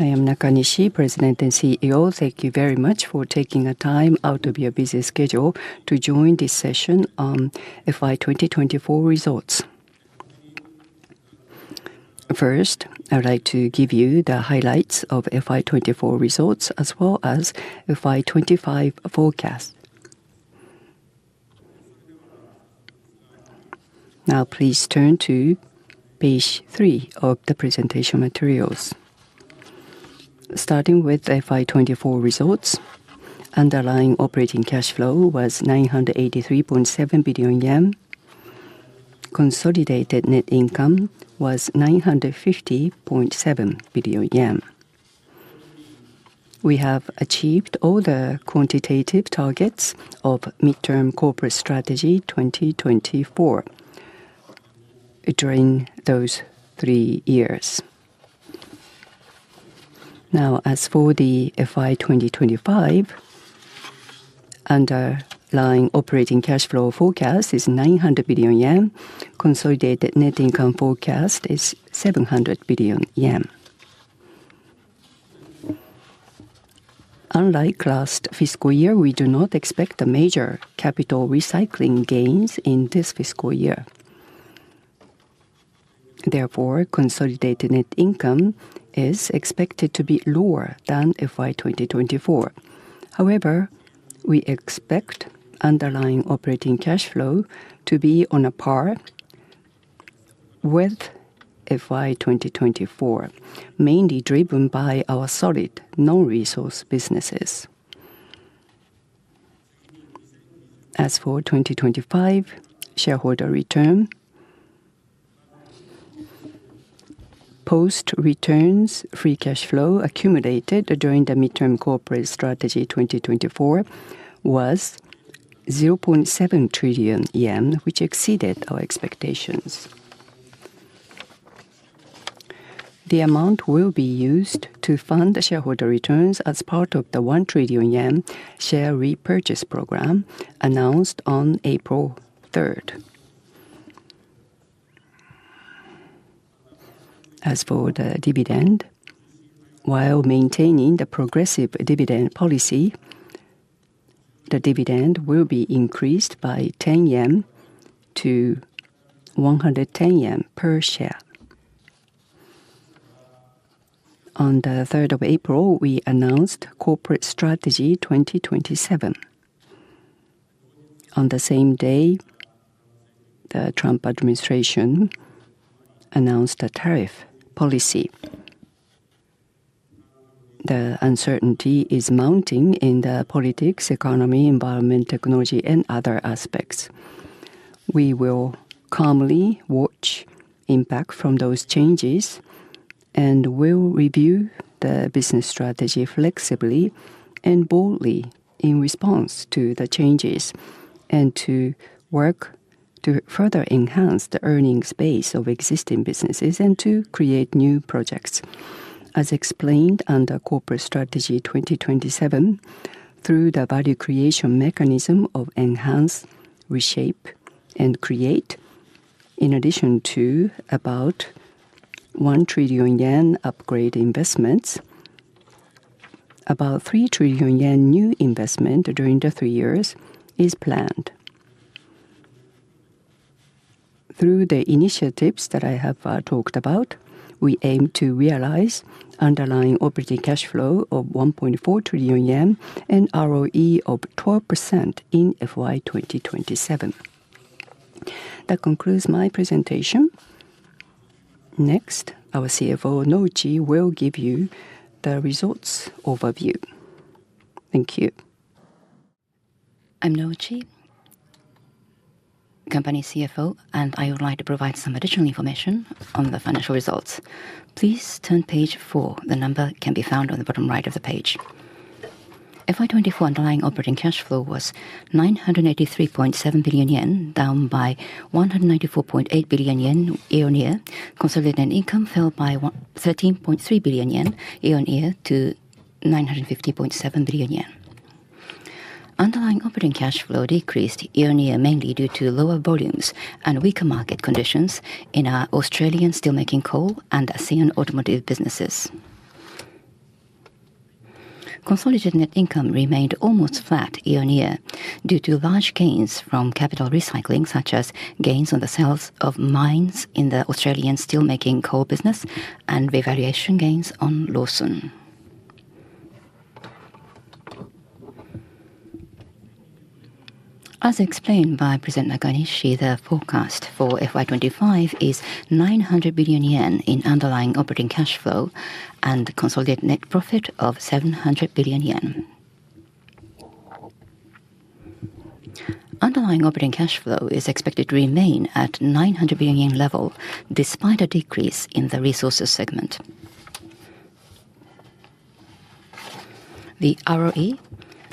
I am Nakanishi, President and CEO. Thank you very much for taking the time out of your busy schedule to join this session on FY2024 results. First, I would like to give you the highlights of FY2024 results as well as FY2025 forecast. Please turn to page three of the presentation materials. Starting with FY2024 results, underlying operating cash flow was 983.7 billion yen. Consolidated net income was 950.7 billion yen. We have achieved all the quantitative targets of Midterm Corporate Strategy 2024 during those three years. As for the FY2025, underlying operating cash flow forecast is 900 billion yen. Consolidated net income forecast is 700 billion yen. Unlike last fiscal year, we do not expect major capital recycling gains in this fiscal year. Therefore, consolidated net income is expected to be lower than FY2024. We expect underlying operating cash flow to be on par with FY2024, mainly driven by our solid non-resource businesses. As for 2025 shareholder return, post-returns free cash flow accumulated during the Midterm Corporate Strategy 2024 was 0.7 trillion yen, which exceeded our expectations. The amount will be used to fund the shareholder returns as part of the 1 trillion yen share repurchase program announced on April 3. As for the dividend, while maintaining the progressive dividend policy, the dividend will be increased by 10 yen to 110 yen per share. On the 3rd of April, we announced Corporate Strategy 2027. On the same day, the Trump administration announced a tariff policy. The uncertainty is mounting in politics, economy, environment, technology and other aspects. We will calmly watch impact from those changes, will review the business strategy flexibly and boldly in response to the changes, and to work to further enhance the earnings base of existing businesses and to create new projects. As explained under Corporate Strategy 2027, through the value creation mechanism of enhance, reshape, and create, in addition to about 1 trillion yen upgrade investments, about 3 trillion yen new investment during the three years is planned. Through the initiatives that I have talked about, we aim to realize underlying operating cash flow of 1.4 trillion yen and ROE of 12% in FY2027. That concludes my presentation. Next, our CFO, Noji, will give you the results overview. Thank you. I'm Noji, company CFO. I would like to provide some additional information on the financial results. Please turn to page four. The number can be found on the bottom right of the page. FY2024 underlying operating cash flow was 983.7 billion yen, down by 194.8 billion yen year-on-year. Consolidated net income fell by 13.3 billion yen year-on-year to 950.7 billion yen. Underlying operating cash flow decreased year-on-year, mainly due to lower volumes and weaker market conditions in our Australian steelmaking coal and ASEAN automotive businesses. Consolidated net income remained almost flat year-on-year due to large gains from capital recycling, such as gains on the sales of mines in the Australian steelmaking coal business and revaluation gains on Lawson. As explained by President Nakanishi, the forecast for FY2025 is 900 billion yen in underlying operating cash flow and consolidated net income of 700 billion yen. Underlying operating cash flow is expected to remain at 900 billion yen level despite a decrease in the Mineral Resources segment. The ROE,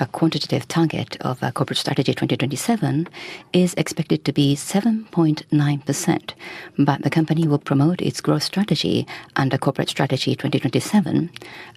a quantitative target of our Corporate Strategy 2027, is expected to be 7.9%, but the company will promote its growth strategy under Corporate Strategy 2027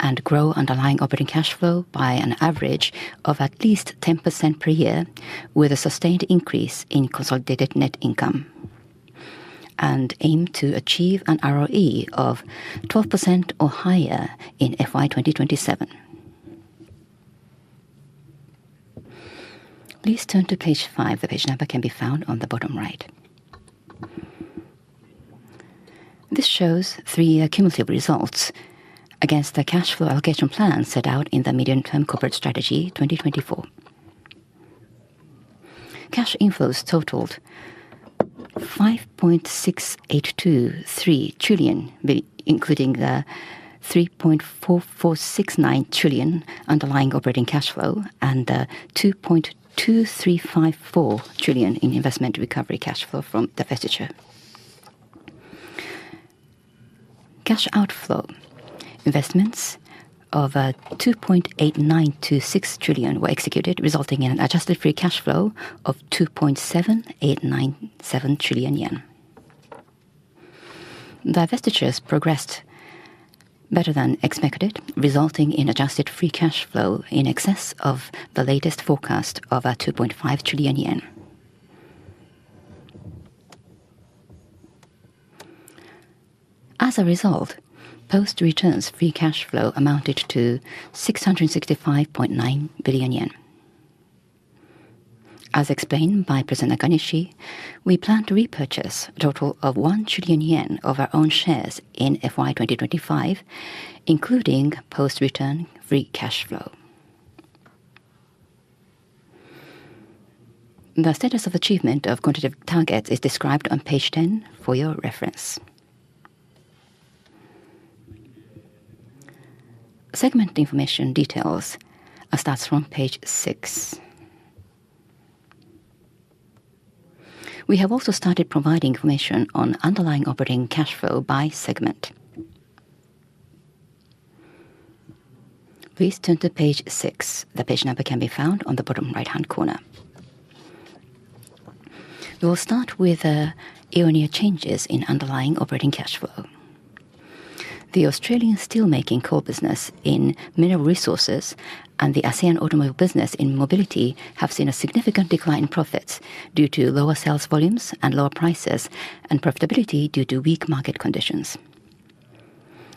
and grow underlying operating cash flow by an average of at least 10% per year, with a sustained increase in consolidated net income. Aim to achieve an ROE of 12% or higher in FY2027. Please turn to page 5. The page number can be found on the bottom right. This shows three cumulative results against the cash flow allocation plan set out in the Midterm Corporate Strategy 2024. Cash inflows totaled 5.6823 trillion, including the 3.4469 trillion underlying operating cash flow and the 2.2354 trillion in investment recovery cash flow from divestiture. Cash outflow investments of 2.8926 trillion were executed, resulting in an adjusted free cash flow of 2.7897 trillion yen. Divestitures progressed better than expected, resulting in adjusted free cash flow in excess of the latest forecast of 2.5 trillion yen. As a result, post-returns free cash flow amounted to 665.9 billion yen. As explained by President Nakanishi, we plan to repurchase a total of 1 trillion yen of our own shares in FY2025, including post-returns free cash flow. The status of achievement of quantitative targets is described on page 10 for your reference. Segment information details starts from page 6. We have also started providing information on underlying operating cash flow by segment. Please turn to page 6. The page number can be found on the bottom right-hand corner. We will start with year-on-year changes in underlying operating cash flow. The Australian steel making core business in Mineral Resources and the ASEAN automobile business in Mobility have seen a significant decline in profits due to lower sales volumes and lower prices, and profitability due to weak market conditions.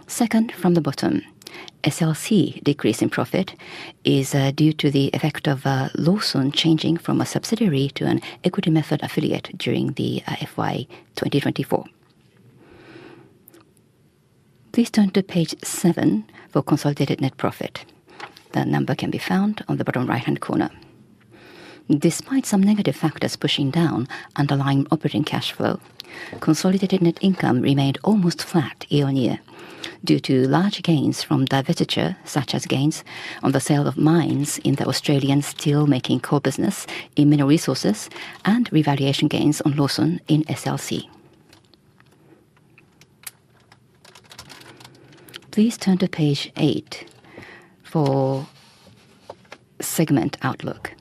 Second from the bottom, SLC decrease in profit is due to the effect of Lawson changing from a subsidiary to an equity method affiliate during the FY2024. Please turn to page 7 for consolidated net income. The number can be found on the bottom right-hand corner. Despite some negative factors pushing down underlying operating cash flow, consolidated net income remained almost flat year-on-year due to large gains from divestiture, such as gains on the sale of mines in the Australian steel making core business in Mineral Resources and revaluation gains on Lawson in SLC. Please turn to page 8 for segment outlook.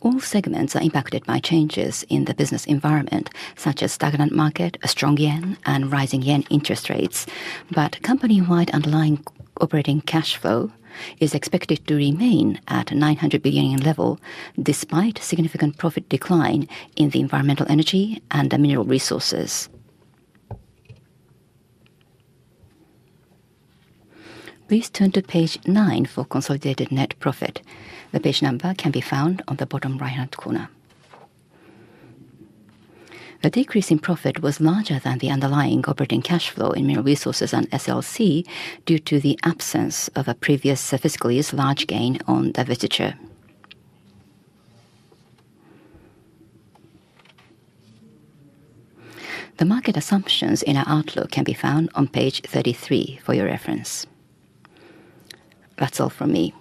All segments are impacted by changes in the business environment, such as stagnant market, a strong yen, and rising yen interest rates, but company-wide underlying operating cash flow is expected to remain at 900 billion level despite significant profit decline in the Environmental Energy and the Mineral Resources. Please turn to page 9 for consolidated net income. The page number can be found on the bottom right-hand corner. The decrease in profit was larger than the underlying operating cash flow in Mineral Resources and SLC due to the absence of a previous fiscal year's large gain on divestiture. The market assumptions in our outlook can be found on page 33 for your reference. That's all from me.